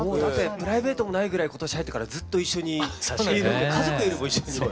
プライベートもないぐらい今年入ってからずっと一緒にいる家族よりも一緒にいる。